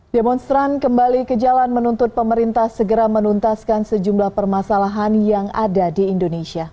demonstran kembali ke jalan menuntut pemerintah segera menuntaskan sejumlah permasalahan yang ada di indonesia